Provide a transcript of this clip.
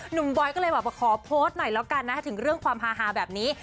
หนุ่มมาเบ๊ย์ก็เลยเพราะขอโพสต์หน่อยเรากันถึงเรื่องความฮาแบบนี้